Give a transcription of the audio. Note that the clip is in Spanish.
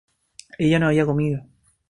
ella no había comido